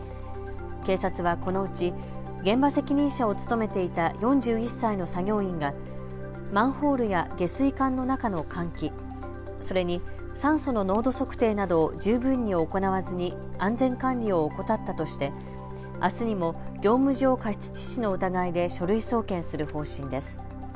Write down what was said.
警察はこのうち現場責任者を務めていた４１歳の作業員がマンホールや下水管の中の換気、それに酸素の濃度測定などを十分に行わずに安全管理を怠ったとして、あすにも業務上過失致死の疑いで書類送検する方針です。